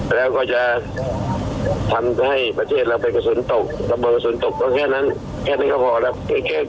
แล้วก็จะทำให้ประเทศเราเป็นกระสุนตกดำเบิงกระสุนตกเพราะแค่นั้นก็พอแล้ว